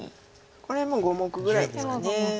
これはもう５目ぐらいですか。